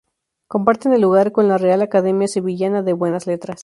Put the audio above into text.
Comparten el lugar con la Real Academia Sevillana de Buenas Letras.